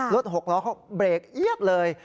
หกล้อเขาเบรกเอี๊ยดเลย